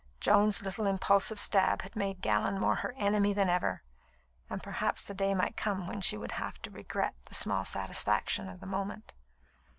Joan's little impulsive stab had made Gallon more her enemy than ever, and perhaps the day might come when she would have to regret the small satisfaction of the moment.